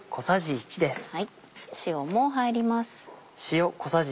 塩も入ります。